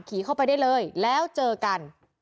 ขี่เข้าไปได้เลยแล้วเจอกัน